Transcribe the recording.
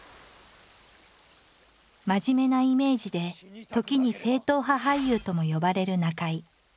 真面目なイメージで時に正統派俳優とも呼ばれる中井。